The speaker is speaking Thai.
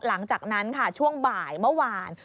หลังจากนั้นค่ะช่วงบ่ายเมื่อวาน